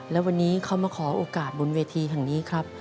และวันนี้เขามาขอโอกาสบนเวทีแห่งนี้ครับ